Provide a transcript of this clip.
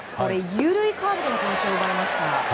緩いカーブでも三振を奪いました。